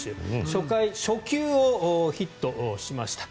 初回、初球をヒットにしました。